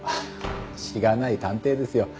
しがない探偵ですよ。